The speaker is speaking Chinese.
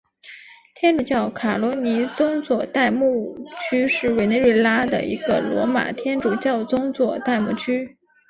天主教卡罗尼宗座代牧区是委内瑞拉一个罗马天主教宗座代牧区。